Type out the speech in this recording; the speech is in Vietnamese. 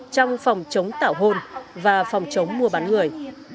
trong phòng chống tảo hôn và phòng chống mua bán người